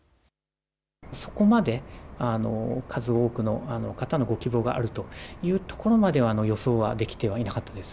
そこまで数多くの方のご希望があるというところまでは、予想ができてはいなかったです。